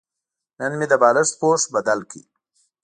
نن مې د بالښت پوښ بدل کړ.